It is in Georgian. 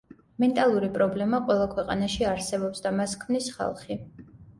მენტალური პრობლემა ყველა ქვეყანაში არსებობს და მას ქმნის ხალხი.